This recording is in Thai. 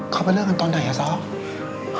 เขามาเลิกกันตอนไหนละซ้อก